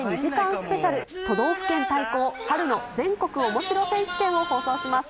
スペシャル、都道府県対抗、春の全国おもしろ選手権！を放送します。